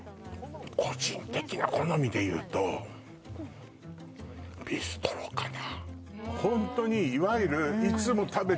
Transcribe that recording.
個人的な好みで言うと、ビストロかな。